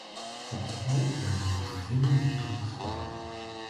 Працаваў у раённым аддзеле ўнутраных спраў.